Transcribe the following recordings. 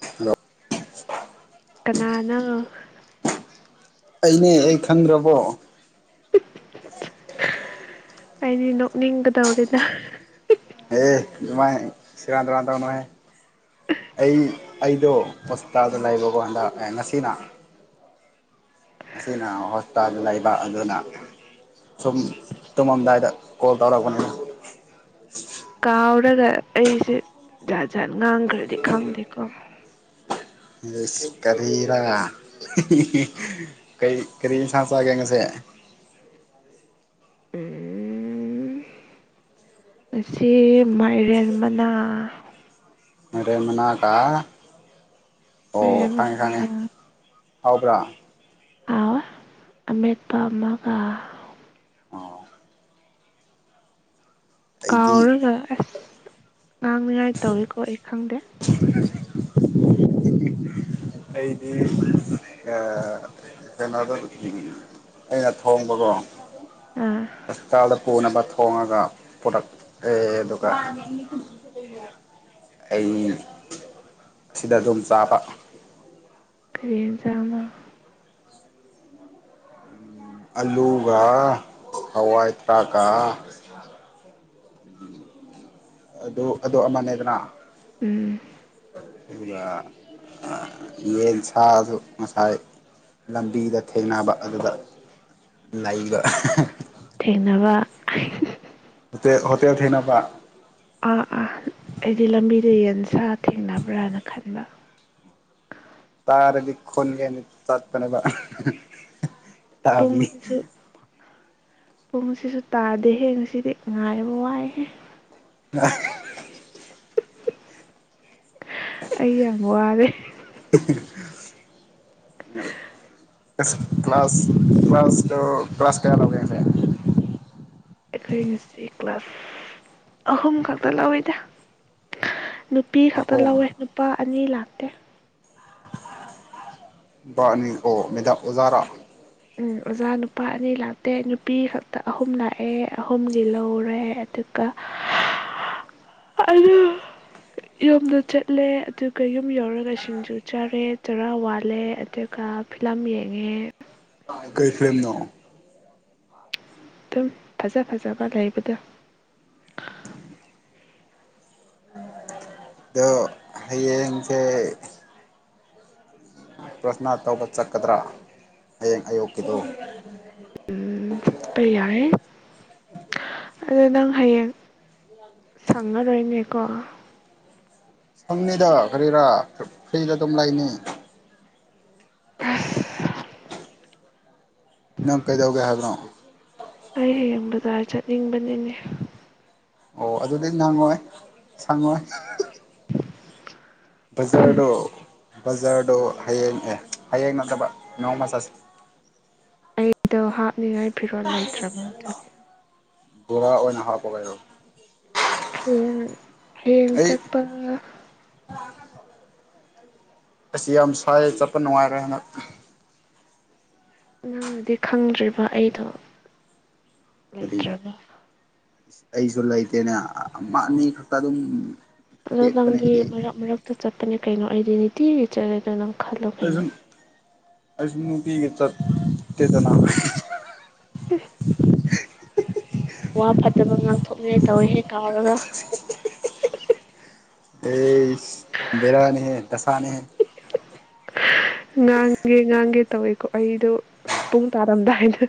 Hello ꯀꯅꯥꯅꯪ ꯑꯩꯅꯦ ꯑꯩ ꯈꯪꯗ꯭ꯔꯕꯣ ꯑꯩꯗꯤ ꯅꯣꯛꯅꯤꯡꯒꯗꯧꯔꯦꯗꯥ ꯑꯦ ꯃꯃꯥꯏ ꯁꯦꯔꯥꯟ ꯇꯨꯔꯥꯟ ꯇꯧꯅꯨꯍꯥꯏ ꯑꯩ ꯑꯩꯗꯣ ꯍꯣꯁꯄꯤꯇꯥꯜꯗ ꯂꯩꯕꯀꯣ ꯍꯟꯗꯛ ꯉꯁꯤꯅ ꯉꯁꯤꯅ ꯍꯣꯁꯄꯤꯇꯥꯜꯗ ꯂꯩꯕ ꯑꯗꯨꯅ ꯁꯨꯝ ꯇꯨꯝꯃꯝꯗꯥꯏꯗ ꯀꯣꯜ ꯇꯧꯔꯛꯄꯅꯤꯗ ꯁꯥꯎꯔꯒ ꯑꯩꯁꯦ ꯖꯍꯥꯠ ꯖꯥꯥꯟ ꯉꯥꯡꯈ꯭ꯔꯗꯤ ꯈꯪꯗꯦꯀꯣ ꯀꯔꯤꯔꯥ ꯀ ꯀꯔꯤ ꯏꯟꯁꯥꯡ ꯆꯥꯒꯦ ꯉꯁꯤ ꯎꯝ ꯉꯁꯤ ꯃꯥꯏꯔꯦꯟ ꯃꯅꯥ ꯃꯩꯔꯦꯜ ꯃꯅꯥꯒꯥ ꯑꯣ ꯃꯥꯏꯔꯦꯟ ꯈꯪ ꯉꯦ ꯈꯥꯪ ꯉꯦ ꯃꯅꯥꯒ ꯍꯥꯎ ꯕ꯭ꯔꯥ ꯍꯥꯎꯏ ꯑꯃꯦꯠꯄ ꯑꯥꯃꯒ ꯑꯣ ꯑꯩꯗꯤ ꯀꯥꯎꯔꯒ ꯑꯁ ꯉꯥꯡꯅꯤꯉꯥꯏ ꯇꯧꯏꯀꯣ ꯑꯩ ꯈꯪꯗꯦ [unintelligible] ꯑꯩꯗꯤ ꯑꯥꯥ ꯀꯩꯅꯣꯗ ꯑꯩꯅ ꯊꯣꯡꯕꯗꯣ ꯑꯥ ꯄꯨꯅꯕꯥ ꯊꯣꯡꯉꯒ ꯄꯨꯔꯛꯑꯦ ꯑꯗꯨꯒ ꯑꯩ ꯑꯁꯤꯗ ꯑꯗꯨꯝ ꯆꯥꯕ ꯀꯩ ꯍꯦꯟꯖꯥꯡ ꯅꯣ꯫ ꯑꯂꯨꯒ ꯍꯋꯥꯏ ꯊ꯭ꯔꯥꯛ ꯀꯥ ꯑꯗꯨ ꯑꯗꯨ ꯑꯃꯅꯦꯗꯅ ꯑ ꯎꯝ ꯑꯗꯨꯒ ꯌꯦꯟ ꯁꯥꯁꯨ ꯉꯁꯥꯏ ꯂꯝꯕꯤꯗ ꯊꯦꯡꯅꯕ ꯑꯗꯨꯗ ꯂꯩꯕ ꯊꯦꯡꯅꯕ ꯍꯣꯇꯦꯜ ꯍꯣꯇꯦꯜ ꯊꯦꯡꯅꯅꯕ ꯑꯥ ꯑꯥ ꯑꯩꯗꯤ ꯂꯝꯕꯤꯗ ꯌꯦꯟꯁꯦ ꯁꯥ ꯊꯦꯡꯅꯕ꯭ꯔꯥꯅ ꯈꯟꯕ ꯇꯥꯔꯗꯤ ꯈꫭꯟꯖꯦꯟ ꯇꯠꯇꯅꯕ ꯇꯥꯕꯤ ꯄꯨꯡꯁꯤꯁꯨ ꯄꯨꯡꯁꯤꯁꯨ ꯇꯥꯗꯦ ꯍꯌꯦ ꯉꯁꯤꯗꯤ ꯉꯥꯏꯔꯕ ꯋꯥꯏꯍꯦ ꯑ ꯑꯩꯏ ꯌꯥꯝꯕ ꯑꯔꯦ ꯀ ꯀ꯭ꯂ ꯀ꯭ꯂꯥꯁ ꯀ ꯀ꯭ꯂꯥꯁ ꯀ꯭ꯂꯥꯁ ꯀꯌꯥꯒꯦꯁꯦ ꯑꯩꯈꯣꯏ ꯅꯁꯤ ꯀ꯭ꯂꯥꯁ ꯑꯍꯨꯝ ꯈꯛꯇ ꯂꯧꯋꯤꯗ ꯅꯨꯄꯤ ꯈꯛꯇ ꯑꯍꯨꯝ ꯂꯧꯋꯦ ꯅꯨꯄꯥ ꯑꯅꯤ ꯂꯥꯛ [unintelligible] ꯕꯥꯅꯤ ꯑꯣ ꯃꯦꯗꯥꯝ ꯑꯣꯖꯥꯔꯥ ꯎꯝ ꯑꯣꯖꯥ ꯅꯨꯄꯥ ꯑꯅꯤ ꯂꯥꯛꯇꯦ ꯅꯨꯄꯤ ꯈꯛꯇ ꯑꯍꯨꯝ ꯂꯥꯛꯑꯦ ꯑꯍꯨꯝꯒꯤ ꯂꯧꯔꯦ ꯑꯗꯨꯒ ꯑꯗꯨ ꯌꯨꯝꯗ ꯆꯠꯂꯦ ꯑꯗꯨꯒ ꯌꯨꯝ ꯌꯧꯔꯒ ꯁꯤꯡꯖꯨ ꯆꯥꯔꯦ ꯆꯔꯥ ꯋꯥꯠꯂꯦ ꯑꯗꯨꯒ ꯐꯤꯂꯝ ꯌꯦꯡꯉꯦ ꯑꯥ ꯀꯩ ꯀꯩ ꯂꯝꯅꯣ ꯑꯗꯨꯝ ꯐꯖ ꯐꯖꯕ ꯂꯩꯕꯗꯣ ꯗꯣ ꯍꯌꯦꯡꯁꯦ ꯄ꯭ꯔꯥꯊꯥꯅꯥ ꯇꯧꯕ ꯆꯠꯀꯗ꯭ꯔꯥ ꯍꯌꯦꯡ ꯑꯌꯨꯛꯀꯤꯗꯨ ꯆꯠꯄꯥ ꯌꯥꯏꯌꯦ ꯑꯗꯨꯗ ꯅꯪ ꯍꯌꯦꯡ ꯁꯪꯉꯔꯣꯏꯅꯦꯀꯣ ꯁꯪꯅꯤꯗ ꯀꯔꯤꯔꯥ ꯐ꯭ꯔꯤꯗ ꯑꯗꯨꯝ ꯂꯩꯅꯤ ꯑꯁ ꯅꯪ ꯀꯩꯗꯧꯒꯦ ꯍꯥꯏꯕꯅꯣ ꯑꯩ ꯍꯌꯦꯡ ꯕꯖꯥꯔ ꯆꯠꯅꯤꯡꯕꯅꯤꯅꯦ ꯑꯣ ꯑꯗꯨꯗꯤ ꯅꯪꯉꯣꯏ ꯁꯪꯉꯣꯏ ꯕꯖꯥ꯭ꯔꯗꯣ ꯕꯖꯥꯔꯗꯣ ꯍꯌꯦꯡꯑ ꯍꯌꯦꯡ ꯅꯠꯇꯕ ꯅꯣꯡꯃ ꯆꯠꯁꯦ ꯑꯩꯗꯣ ꯍꯥꯅꯤ ꯐꯤꯔꯣꯜ ꯂꯩꯇ꯭ꯔꯕ ꯑꯗꯨꯒꯤ ꯔꯥ ꯑꯣꯏꯅ ꯍꯥꯥꯞꯄꯒꯦꯌꯨ ꯍꯡ ꯍꯌꯦꯡ ꯑꯩ ꯆꯠꯄ ꯑꯁꯤ ꯌꯥꯝ ꯁꯥꯏ ꯆꯠꯄ ꯅꯨꯡꯉꯥꯏꯔꯦ ꯍꯅ ꯅꯪꯅꯗꯤ ꯈꯪꯗ꯭ꯔꯤꯕ ꯑꯩꯗꯣ ꯀꯔꯤ ꯂꯩꯇ꯭ꯔꯥꯕ ꯑꯩꯁꯨ ꯂꯩꯇꯦꯅꯦ ꯃꯥ ꯑꯅꯤ ꯈꯛꯇ ꯑꯗꯨꯝ ꯑꯣ ꯁꯦꯠꯄꯅꯦ ꯅꯪꯗꯤ ꯑꯩꯗꯤ ꯃꯔꯛ ꯃꯔꯛꯇ ꯆꯠꯄꯅꯦ ꯀꯩꯅꯣ ꯑꯩꯗꯤ ꯅꯨꯡꯅꯤꯇꯤꯒꯤ ꯆꯠꯂꯦꯗꯅ ꯈꯜꯂꯣ ꯀꯩꯅꯣ ꯑꯩꯁꯨ ꯅꯨꯡꯇꯤꯒꯤ ꯆꯠꯇꯦꯗꯅ [unintelligible] ꯋꯥ ꯐꯠꯇꯕ ꯉꯥꯡꯊꯣꯛꯅꯤꯡꯉꯥꯏ ꯇꯧꯋꯦ ꯍꯦꯛ ꯀꯥꯎꯔꯒ ꯑꯩꯁꯁ ꯕꯦꯔꯥꯅꯦ ꯍꯦ ꯗꯁꯥꯅꯦ ꯉꯥꯡꯒꯦ ꯉꯥꯡꯒꯦ ꯇꯧꯋꯦꯀꯣ ꯑꯩꯗꯣ ꯄꯨꯡ ꯇꯥꯔꯝꯗꯥꯏꯗ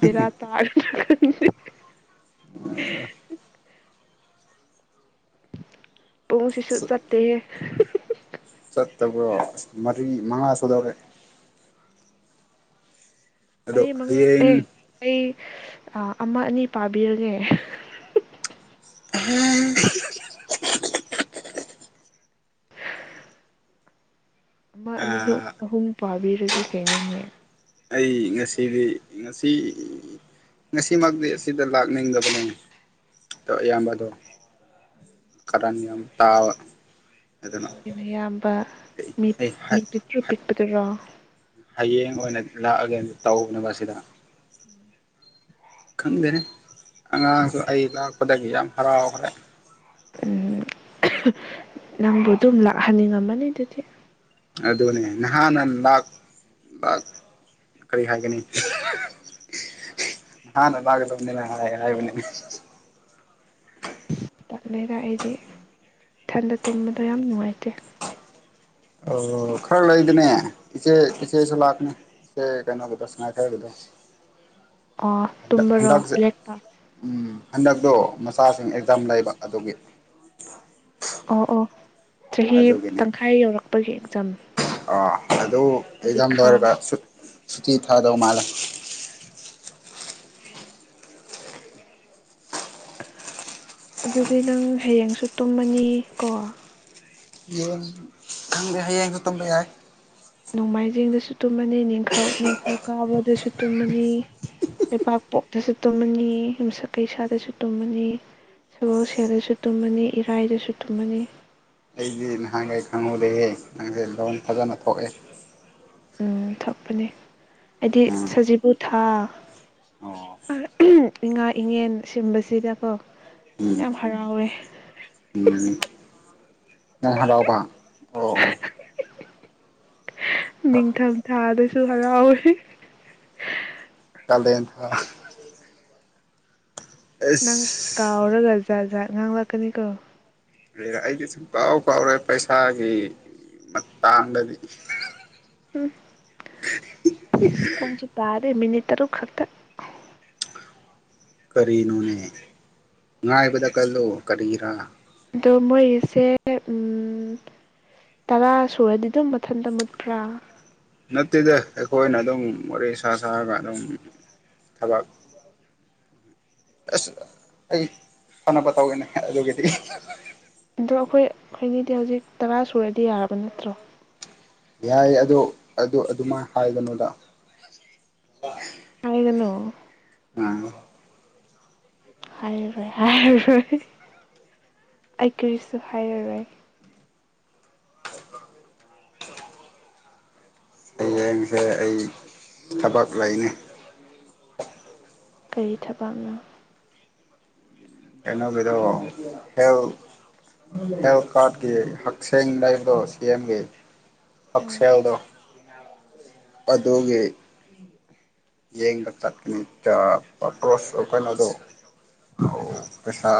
ꯕꯦꯔꯥ ꯇꯥꯔ [unintelligible] [unintelligible] [unintelligible] ꯄꯨꯡ ꯁꯤꯁꯨ ꯆꯠꯇꯦꯍꯦ ꯆꯠꯇꯕ꯭ꯔꯣ ꯃꯔꯤ ꯃꯉꯥ ꯁꯨꯗꯧꯔꯦ ꯃꯔꯤ ꯑꯗꯣ ꯃꯉꯥ ꯑꯦꯦ ꯍꯌꯦꯡ ꯑꯩ ꯑ ꯑꯃ ꯑꯅꯤ ꯄꯥꯕꯤꯔꯒꯦ [unintelligible] ꯑꯃ ꯑꯅꯤꯍꯨ ꯑꯍꯨꯝ ꯄꯥꯕꯤꯔꯒꯦ ꯀꯩꯅꯣꯅꯦ ꯑꯩ ꯉꯁꯤꯗꯤ ꯉꯁꯤ ꯉꯁꯤꯃꯛꯇꯤ ꯑꯁꯤꯗ ꯂꯥꯛꯅꯤꯡꯗꯕꯅꯦ ꯑꯌꯥꯝꯕꯗꯣ ꯀꯔꯟ ꯌꯥꯝ ꯇꯥꯕ ꯑꯗꯨꯅ ꯅꯪꯒꯤꯅꯦ ꯅꯌꯥꯝꯕ ꯃꯤ ꯑꯩ ꯃꯤ ꯄꯤꯛꯇ꯭ꯔꯨ ꯄꯤꯛꯄꯗꯨꯔꯣ ꯍꯌꯦꯡ ꯑꯣꯏꯅ ꯂꯥꯛꯑꯒꯦ ꯇꯧꯅꯕ ꯑꯁꯤꯗ [inaudible] ꯈꯪꯗꯦꯅꯦ ꯑꯉꯥꯡꯁꯨ ꯑꯩ ꯂꯥꯛꯄꯗꯒꯤ ꯌꯥꯝ ꯍꯔꯥꯎꯈ꯭ꯔꯦ ꯎꯝ ꯅꯪꯕꯨ ꯑꯗꯨꯝ ꯂꯥꯛꯍꯟꯅꯤꯡꯉꯝꯃꯅꯤ ꯑꯗꯨꯗꯤ ꯑꯗꯨꯅꯦ ꯅꯍꯥꯟꯅ ꯂꯥꯛ ꯀꯔꯤ ꯍꯥꯏꯒꯅꯤ ꯅꯍꯥꯟꯅ ꯂꯥꯛꯀꯗꯕꯅꯤꯅ ꯍꯥꯏ ꯍꯥꯏꯕꯅꯤꯅꯦ ꯇꯟꯂꯦꯗ ꯑꯩꯗꯤ ꯏꯊꯟꯗ ꯇꯨꯝꯕꯗꯣ ꯌꯥꯝ ꯅꯨꯡꯉꯥꯏꯇꯦ ꯑꯣ ꯈꯔ ꯂꯩꯗꯅꯦ ꯏꯆꯦ ꯏꯆꯦꯁꯨ ꯂꯥꯛꯀꯅꯦ ꯏꯦ ꯀꯩꯅꯣꯒꯤꯗ ꯁꯉꯥꯏ ꯈꯔꯒꯤꯗ ꯑ ꯇꯨꯝꯝꯕꯔꯣ ꯂꯦꯛꯄ ꯎꯝ ꯍꯟꯗꯛꯇꯣ ꯃꯆꯥꯁꯤꯡ ꯑꯦꯛꯖꯥꯝ ꯂꯩꯕ ꯑꯗꯨꯒꯤ ꯑꯣ ꯑꯣ ꯆꯍꯤ ꯑꯗꯨꯒꯤꯅꯤ ꯇꯪꯈꯥꯏ ꯌꯧꯔꯛꯄꯒꯤ ꯑꯦꯛꯖꯥꯝ ꯑꯥ ꯑꯗꯨ ꯑꯦꯛꯖꯥꯝ ꯄꯔꯤꯈꯥ ꯂꯣꯏꯔꯒ ꯁꯨꯠ ꯁꯨꯇꯤ ꯊꯥꯗꯧ ꯃꯥꯜꯂꯦ ꯑꯗꯨꯗꯤ ꯅꯪ ꯍꯌꯦꯡꯁꯨ ꯇꯨꯝꯃꯅꯤ ꯀꯣ ꯌꯦ ꯈꯪꯗꯦ ꯍꯥꯌꯦꯡꯁꯨ ꯇꯨꯝꯕ ꯌꯥꯏ ꯅꯣꯡꯃꯥꯏꯖꯤꯡꯗꯁꯨ ꯇꯨꯝꯃꯅꯤ ꯅꯤꯡꯊꯧ ꯅꯤꯡꯊꯧꯀꯥꯕꯗꯁꯨ ꯇꯨꯝꯃꯅꯤ ꯂꯩꯄꯥꯛꯄꯣꯛꯇꯁꯨ ꯇꯨꯝꯃꯅꯤ ꯌꯨꯝꯁꯛ ꯀꯩꯁꯥꯗꯁꯨ ꯇꯨꯝꯃꯅꯤ ꯁꯒꯣꯜꯁꯦꯜꯗꯁꯨ ꯇꯨꯝꯃꯅꯤ ꯏꯔꯥꯏꯗꯁꯨ ꯇꯨꯝꯃꯅꯤ ꯑꯩꯗꯤ ꯅꯍꯥꯟꯈꯩ ꯈꯪꯍꯧꯗꯦꯍꯦ ꯅꯪꯁꯦ ꯂꯣꯟ ꯐꯖꯅ ꯊꯣꯛꯑꯦ ꯎꯝ ꯊꯣꯛꯄꯅꯦ ꯍꯥꯏꯗꯤ ꯎꯝ ꯁꯖꯤꯕꯨ ꯊꯥ ꯑꯣ ꯏꯉꯥ ꯏꯉꯦꯟ ꯁꯨꯝꯕꯁꯤꯗꯀꯣ ꯎꯝ ꯌꯥꯝ ꯍꯔꯥꯎꯋꯦ ꯎꯝ ꯅꯪ ꯍꯥꯔꯥꯎꯕꯥ ꯑꯣ ꯑꯣ ꯅꯤꯡ ꯊꯝ ꯊꯥꯗꯁ ꯍꯥꯔꯥꯎ ꯌ‌ꯦ ꯇꯗꯦꯟ ꯊ ꯅꯪ ꯀꯥꯎꯔꯒ ꯖꯠꯖ ꯉꯥꯡ ꯂꯥꯛꯀꯅꯤꯀꯣ ꯑꯗꯨ ꯑꯩꯗꯤ ꯁꯨꯡ ꯀꯥꯎ ꯀꯥꯎꯔꫭꯏ ꯄꯩꯁꯥꯒꯤ ꯃꯇꯥꯡꯗꯗꯤ ꯎꯝ ꯄꯨꯁꯨ ꯇꯥꯔꯦ ꯃꯤꯅꯤꯠ ꯇꯔꯦꯠ ꯈꯛꯇ ꯀꯔꯤꯅꯨꯅꯦ ꯉꯥꯏꯕꯗ ꯀꯜꯂꯣ ꯀꯔꯤꯔ ꯑꯗꯣ ꯃꯣꯏꯒꯤꯁꯦ ꯎꯝ ꯇꯔꯥ ꯁꯨꯔꯗꯤ ꯑꯗꯨꯝ ꯃꯊꯟꯇ ꯃꯨꯠꯄ꯭ꯔꯥ ꯅꯠꯇꯦꯗ ꯑꯩꯈꯣꯏꯅ ꯑꯗꯨꯝ ꯋꯥꯔꯤ ꯁꯥ ꯁꯥꯔꯒ ꯑꯗꯨꯝ ꯊꯕꯛ ꯑꯁ ꯑꯩ ꯐꯅꯕ ꯇꯧꯒꯦꯅꯦ ꯑꯗꯨꯒꯤꯗꯤ ꯑꯗꯣ ꯑꯩꯈꯣꯏ ꯈꯣꯏꯅꯤꯗꯤ ꯍꯧꯖꯤꯛ ꯇꯔꯥ ꯁꯨꯔꯗꯤ ꯌꯥꯔꯕ ꯅꯠꯇ꯭ꯔꯣ ꯌꯥꯏ ꯑꯗꯨ ꯑꯗꯨ ꯑꯗꯨꯃꯥꯏꯅ ꯍꯥꯏꯒꯅꯣꯗ ꯍꯥꯏꯒꯅꯣ ꯑꯥ ꯍꯥꯏꯔꯔꯣꯏ ꯍꯥꯏꯔꯔꯣꯏ ꯑꯩ ꯀꯨꯔꯤꯁꯨ ꯍꯥꯏꯔꯔꯣꯏ ꯍꯌꯦꯡꯁꯦ ꯑꯩ ꯊꯕꯛ ꯂꯩꯅꯤ ꯀꯔꯤ ꯊꯕꯥꯛꯅꯣ ꯀꯩꯅꯣꯒꯤꯗꯣ ꯍꯦꯜ ꯍꯦꯜ ꯀꯥꯔꯠꯀꯤ ꯍꯛꯁꯦꯡ ꯂꯩꯕꯗꯣ ꯁꯦꯝꯒꯦ ꯎꯝ ꯍꯛꯁꯦꯜꯗꯣ ꯑꯗꯨꯒꯤ ꯌꯦꯡꯕ ꯆꯠꯂꯤ ꯑ ꯄꯔꯄꫭꯁ ꯀꯩꯅꯣꯗꯣ ꯄꯦꯁꯥ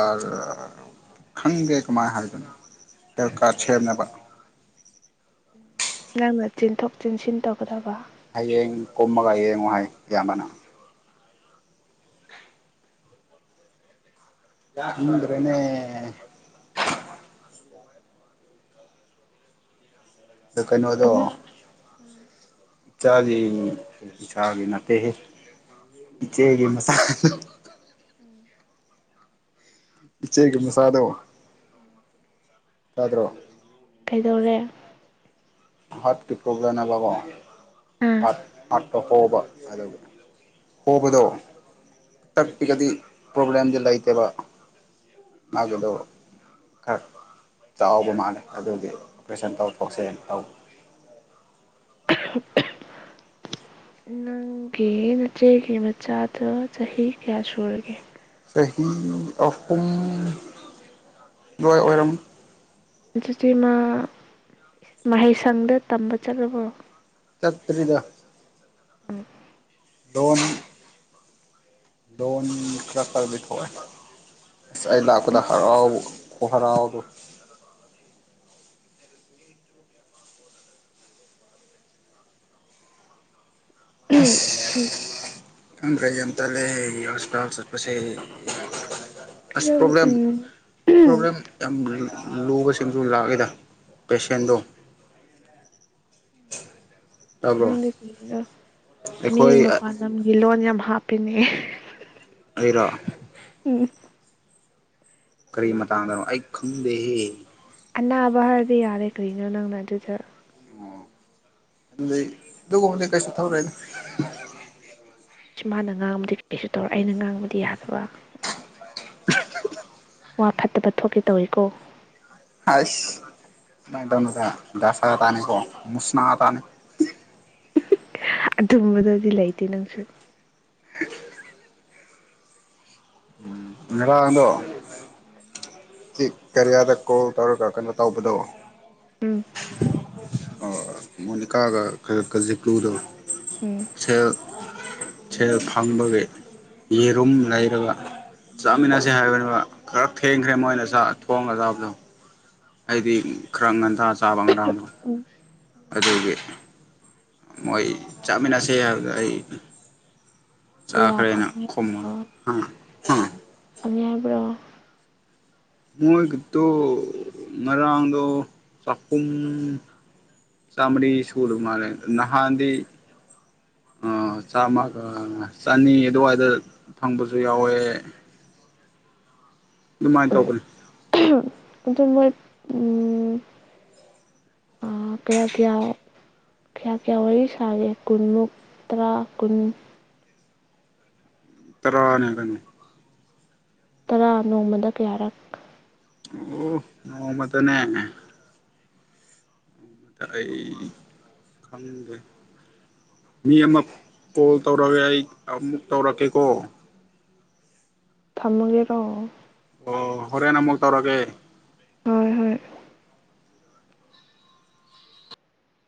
ꯈꯪꯒꯦ ꯀꯃꯥꯏ ꯍꯥꯏꯕꯅꯤ ꯗꯔꯀꯥꯁ ꯁꯦꯝꯅꯕ ꯅꯪꯅ ꯆꯦꯟꯊꯣꯛ ꯆꯦꯟꯁꯤꯟ ꯇꯧꯒꯗꯕ ꯍꯌꯦꯡ ꯀꯝꯃꯒꯥꯏ ꯍꯌꯦꯡꯉ ꯋꯥ ꯍ ꯑꯌꯥꯝꯕꯅ ꯌꯥꯗ꯭ꯔꯦꯅꯦ ꯑꯣ ꯀꯩꯅꯣꯗꯣ ꯑꯃ ꯆꯥꯒꯤ ꯆꯥꯒꯤ ꯅꯥꯠꯇꯦ ꯍꯦ ꯏꯆꯦꯒꯤ ꯃꯁꯥ ꯏꯆꯦꯒꯤ ꯃꯆꯥꯗꯣ ꯇꯥꯗ꯭ꯔꯣ ꯀꯩꯗꯧꯔꯦ [unintelligible] ꯑ ꯑꯥ ꯍꯣꯕ ꯑꯗꯨꯒ ꯍꯣꯕꯗꯣ ꯇꯞꯄꯤꯒꯗꯤ ꯄ꯭ꯔꯣꯕ꯭ꯂꯦꯝꯗꯤ ꯂꯩꯇꯦꯕ ꯃꯥꯒꯤꯗꯣ ꯈꯔ ꯆꯥꯎꯕ ꯃꯥꯜꯂꯦ ꯑꯗꯨꯒꯤ ꯑꯣꯄ꯭ꯔꯦꯁꯟ ꯇꯧꯊꯣꯛꯁꯦꯅ ꯇꯧ ꯅꯪꯒꯤ ꯅꯆꯦꯒꯤ ꯃꯆꯥꯗꯣ ꯆꯍꯤ ꯀꯌꯥ ꯁꯨꯔꯒꯦ ꯆꯍꯤ ꯑꯍꯨꯝ ꯑꯗꯨꯋꯥꯏ ꯑꯣꯏꯔꯝ ꯑꯗꯨꯗꯤ ꯃꯥ ꯃꯍꯩꯁꯪꯗ ꯇꯝꯕ ꯆꯠꯂꯕꯔꯣ ꯆꯠꯇ꯭ꯔꯤꯗ ꯎꯝ ꯗꯟ ꯂꯣꯟꯣꯟ ꯀ ꯇꯔꯕꯤ ꯊꯦ ꯑꯁ ꯑꯩ ꯂꯥꯛꯄꯗ ꯍꯔꯥꯎ ꯐ ꯍꯔꯑꯣꯗ ꯎꯝ ꯎꯝ ꯈ꯭ꯔꯖꯟꯇꯥ ꯂꯩꯦ ꯍꯣꯁꯄꯤꯇꯥꯜꯁꯠꯄꯁꯦ ꯐꯔ ꯎꯝ ꯄ꯭ꯔꯣꯕ꯭ꯂꯦꯝ ꯌꯥꯝ ꯂꯨꯕꯁꯤꯡꯁꯨ ꯂꯥꯛꯑꯦꯗ ꯄꯦꯁꯦꯟꯗꯣ ꯇꯥꯕ꯭ꯔꯣ ꯅ ꯀꯒ ꯃꯤ ꯑꯩꯈꯣꯏ ꯃꯄꯥꯟꯂꯣ ꯍꯥꯞꯄꯤꯅꯦ ꯑꯣꯏꯔꯛ ꯎꯝ ꯀꯔꯤ ꯃꯇ ꯇꯥꯡꯗꯣ ꯑꯩ ꯈꯪꯗꯦꯍꯦ ꯑꯅꯥꯕ ꯍꯥꯏꯔꯗꯤ ꯌꯥꯔꯦ ꯀꯔꯤꯅꯣ ꯅꯪꯅ ꯑꯗꯨꯗ ꯑꯣ ꯑꯗꯨꯩ ꯑꯗꯨꯒꯕꯗꯤ ꯀꯩꯁꯨ ꯊꯧꯔꯦꯅ ꯁꯤ ꯃꯥꯅ ꯉꯥꯡꯕꯗꯤ ꯀꯩꯁꯨ ꯇꯧꯔꯦ ꯑꯩꯅ ꯉꯥꯡꯕꯗꯤ ꯌꯥꯗꯕ ꯋꯥ ꯐꯠꯇꯕ ꯊꯣꯛꯀꯦ ꯇꯧꯏꯤꯀꯣ ꯗꯁꯥ ꯇꯥꯅꯤꯣꯁꯅꯥ ꯇꯅꯤ ꯑꯗꯨꯝꯕꯗꯗꯤ ꯂꯩꯇꯦ ꯅꯪꯁꯨ ꯏꯗꯣ ꯎꯝ ꯀꯔꯤꯌꯥꯗ ꯀꯣꯜ ꯇꯧꯔꯒ ꯀꯩꯅꯣ ꯇꯧꯕꯗ ꯎꯝ ꯃꯣꯅꯤꯀꯥꯒ ꯈꯀ ꯖꯤꯀꯨꯗ ꯎꯝ ꯁꯦꯜ ꯁꯦꯜ ꯐꯪꯕꯒꯤ ꯌꯦꯔꯨꯝ ꯂꯩꯔꯒ ꯆꯥꯃꯤꯟꯅꯁꯦ ꯍꯥꯏꯕꯅꯤꯕ ꯈꯔ ꯊꯦꯡꯈ꯭ꯔꯦ ꯃꯣꯏꯅ ꯊꯣꯡ ꯉꯁꯕꯗꯣ ꯑꯩꯗꯤ ꯈꯔ ꯉꯟꯊ ꯆꯥꯕ ꯉꯔꯥꯡꯅꯣ ꯎꯝ ꯑꯗꯨꯒꯤ ꯃꯣꯏ ꯆꯞꯃꯤꯟꯅꯁꯦ ꯑꯩ ꯀꯌꯥ ꯆꯥꯛꯈꯔꯅ ꯐꯪꯉꯦ ꯈꯃꯜ ꯑꯗꯨ ꯍꯥꯏꯕ꯭ꯔꯣ ꯃꯣꯏꯒꯤꯗꯣ ꯉꯔꯥꯡꯗꯣ ꯆꯍꯨꯝ ꯆꯥꯝꯃꯔꯤ ꯁꯨꯗ ꯃꯥꯜꯂꯦ ꯅꯍꯥꯟꯗꯤ ꯆꯥꯝꯃꯒ ꯆꯅꯤ ꯑꯗꯨꯋꯥꯏꯗ ꯐꯪꯕꯁꯨ ꯌꯥꯎꯋꯦ ꯑꯗꯨꯃꯥꯏꯅ ꯎꯝ ꯇꯧꯕꯅꯤ ꯑꯗꯨ ꯃꯣꯏ ꯀꯌꯥ ꯀꯌꯥ ꯀꯌꯥ ꯀꯌꯥ ꯋꯥꯔꯤ ꯁꯥꯒꯦ ꯀꯨꯟꯃꯨꯛ ꯇꯔꯥ ꯀꯨꯟ ꯇꯔꯥꯅꯦ ꯀ ꯇꯔꯥ ꯅꯣꯡꯃꯗ ꯀꯌꯥꯔꯛ ꯑꯣ ꯅꯣꯡꯃꯗꯅꯦꯦ ꯑꯩ ꯈꯪꯗꯦ ꯃꯤ ꯑꯃ ꯀꯣꯜ ꯇꯧꯔꯒꯦ ꯑꯩ ꯑꯃꯨꯛ ꯇꯧꯔꯛꯀꯦꯀꯣ ꯊꯝꯃꯒꯦꯔꯣ ꯑꯣ ꯍꯣꯔꯦꯟꯦꯟ ꯑꯃꯨꯛ ꯇꯧꯔꯒꯦ ꯍꯣꯏ ꯍꯣꯏ